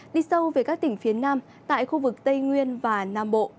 đi sâu về các tỉnh phía nam tại khu vực tây nguyên và nam bộ